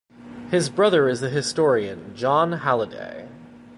His brother is the historian Jon Halliday.